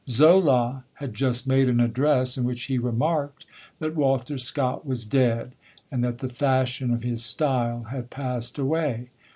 Zola had just made an address in which he remarked that Walter Scott was dead, and that the fashion of his style had passed away.